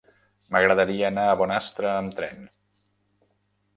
M'agradaria anar a Bonastre amb tren.